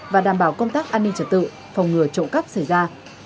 và đảm bảo công tác an ninh trật tự phòng ngừa trộn cấp xảy ra